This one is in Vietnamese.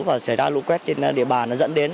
và xảy ra lũ quét trên địa bàn nó dẫn đến